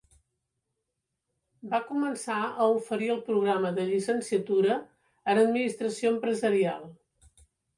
Va començar a oferir el programa de llicenciatura en administració empresarial.